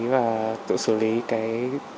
và tự xử lý cái